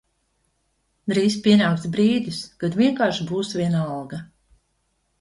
Drīz pienāks brīdis, kad vienkārši būs vienalga.